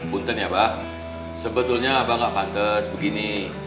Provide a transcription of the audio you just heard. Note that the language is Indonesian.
buntan ya abah sebetulnya abah tidak pantas begini